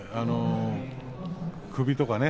首とかね